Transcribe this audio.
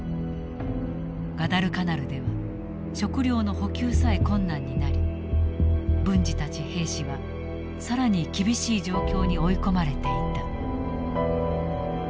ガダルカナルでは食料の補給さえ困難になり文次たち兵士は更に厳しい状況に追い込まれていた。